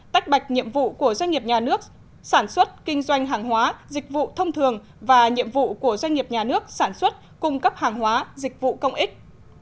tách bạch nhiệm vụ của doanh nghiệp nhà nước sản xuất kinh doanh hàng hóa dịch vụ thông thường và nhiệm vụ của doanh nghiệp nhà nước sản xuất cung cấp hàng hóa dịch vụ công ích